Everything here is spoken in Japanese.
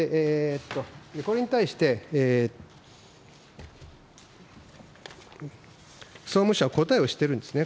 これに対して、総務省は答えをしてるんですね。